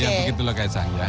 ya begitu loh kaisang ya